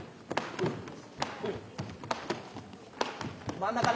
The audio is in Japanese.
真ん中だよ。